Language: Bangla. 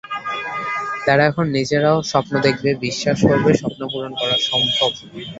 তারা এখন নিজেরাও স্বপ্ন দেখবে, বিশ্বাস করবে, স্বপ্ন পূরণ করা সম্ভব।